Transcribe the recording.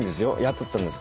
雇ったんです。